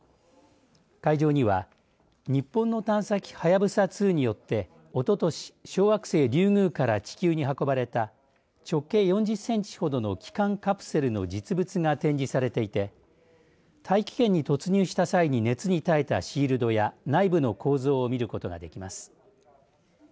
会場には日本の探査機はやぶさ２によっておととし小惑星リュウグウから地球に運ばれた直径４０センチほどの帰還カプセルの実物が展示されていて大気圏に突入した際に熱に耐えたシールドや内部の構造を見ることができます。